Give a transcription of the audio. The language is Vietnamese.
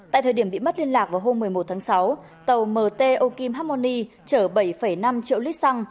tại thời điểm bị mất liên lạc vào hôm một mươi một tháng sáu tàu mt okim harmony trở bảy năm triệu lít xăng